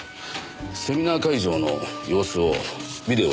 セミナー会場の様子をビデオで記録したものです。